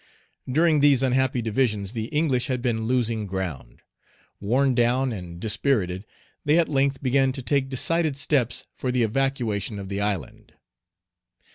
During these unhappy divisions, the English had been losing ground. Worn down and dispirited, they at length began to take decided steps for the evacuation of the island.